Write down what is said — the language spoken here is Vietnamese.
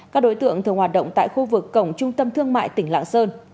các đối tượng thường hoạt động tại khu vực cổng trung tâm thương mại tỉnh lạng sơn